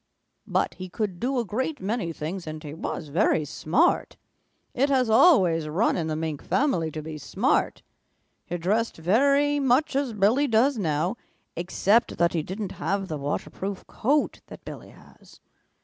But he could do a great many things, and he was very smart. It has always run in the Mink family to be smart. He dressed very much as Billy does now, except that he didn't have the waterproof coat that Billy has.